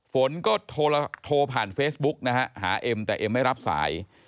ฝนก็โทรผ่านเฟซบุ๊กนะฮะหาเอ็มแต่เอ็มไม่รับสาย